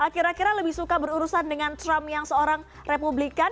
kira kira lebih suka berurusan dengan trump yang seorang republikan